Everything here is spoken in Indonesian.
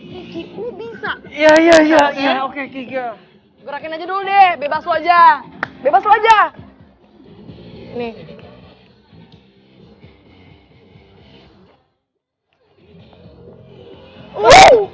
hai kipu bisa ya ya ya ya oke oke dulu deh bebas aja bebas aja nih